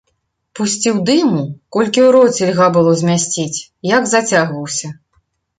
Пусціў дыму, колькі ў роце льга было змясціць, як зацягваўся.